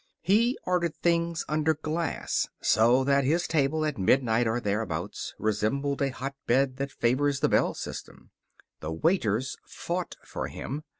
He ordered things under glass, so that his table, at midnight or thereabouts, resembled a hotbed that favors the bell system. The waiters fought for him.